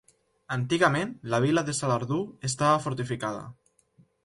Antigament la vila de Salardú estava fortificada.